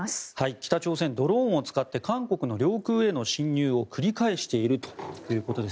北朝鮮ドローンを使って韓国の領空への侵入を繰り返しているということです。